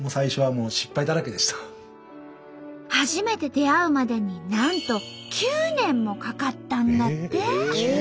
初めて出会うまでになんと９年もかかったんだって。